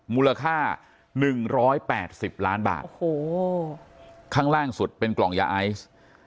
มูลค่าหนึ่งร้อยแปดสิบล้านบาทโอ้โหข้างล่างสุดเป็นกล่องยาไอซ์